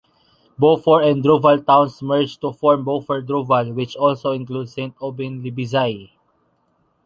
Beaufour and Druval towns merged to form Beaufour-Druval, which also includes Saint-Aubin-Lébizay.